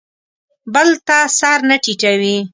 بل ته سر نه ټیټوي.